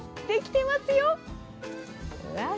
できてますよ。